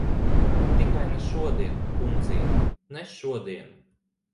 Tikai ne šodien, kundzīt. Ne šodien!